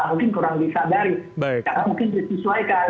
mungkin kurang disadari karena mungkin disesuaikan